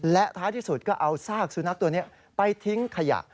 และท้ายที่สุดก็เอาซากสุนัขตัวนี้ไปทิ้งขยะ